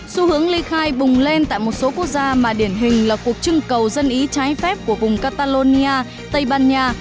xu hướng ly khai bùng lên tại một số quốc gia mà điển hình là cuộc trưng cầu dân ý trái phép của vùng catalonia tây ban nha